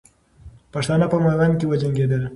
پښتانه په میوند کې وجنګېدل.